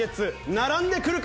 並んでくるか？